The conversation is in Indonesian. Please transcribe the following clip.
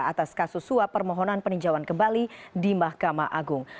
atas kasus suap permohonan peninjauan kembali di mahkamah agung